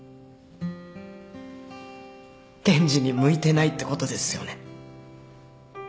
検事に向いてないってことですよね？